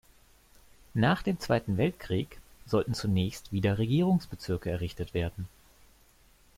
Nach dem Zweiten Weltkrieg sollten zunächst wieder Regierungsbezirke errichtet werden.